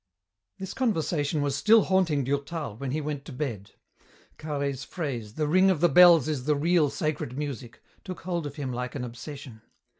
This conversation was still haunting Durtal when he went to bed. Carhaix's phrase, "The ring of the bells is the real sacred music," took hold of him like an obsession.